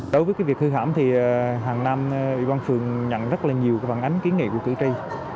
đối với việc hư hãm thì hàng năm ubf nhận rất nhiều phần ánh kiến nghị của cử tri